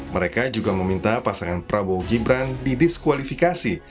mereka juga meminta pasangan prabowo gibran didiskualifikasi